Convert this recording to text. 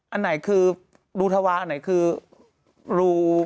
อันไหนคือรูธวาอันไหนคือรู